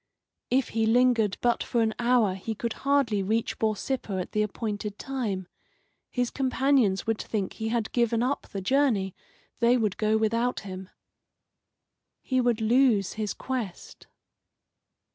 If he lingered but for an hour he could hardly reach Borsippa at the appointed time. His companions would think he had given up the journey. They would go without him. He would lose his quest.